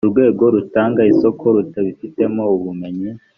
urwego rutanga isoko rutabifitemo ubumenyi